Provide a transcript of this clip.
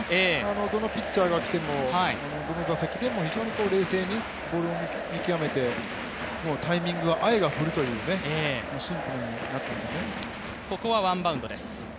どのピッチャーが来ても、どの打席でも非常に冷静にボールを見極めて、タイミングが合えば振るという、シンプルになっていますね。